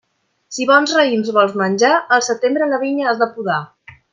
Si bons raïms vols menjar, al setembre la vinya has de podar.